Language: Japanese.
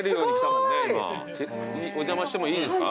お邪魔してもいいですか？